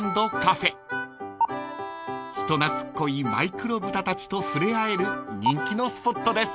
［人懐っこいマイクロ豚たちと触れ合える人気のスポットです］